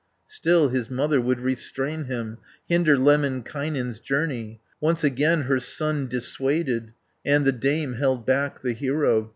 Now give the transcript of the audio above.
Still his mother would restrain him, Hinder Lemminkainen's journey, Once again her son dissuaded, And the dame held back the hero.